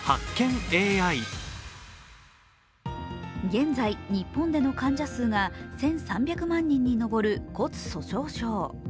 現在、日本での患者数が１３００万人にのぼる骨粗しょう症。